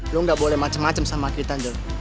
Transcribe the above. lo gak boleh macem macem sama kita jok